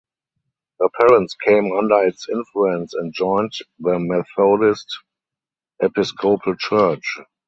Her parents came under its influence and joined the Methodist Episcopal Church.